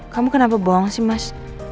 kamu kenapa bohong sih mas